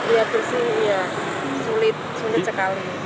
iya air bersih sulit sekali